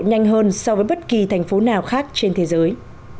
tốc độ nhanh hơn so với bất kỳ thành phố nào khác trên thế giới